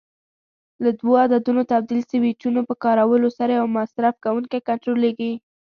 له دوو عددونو تبدیل سویچونو په کارولو سره یو مصرف کوونکی کنټرولېږي.